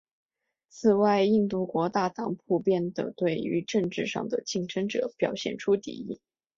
此外印度国大党普遍地对于政治上的竞争者表现出敌意。